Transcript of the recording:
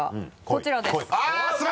こちらです。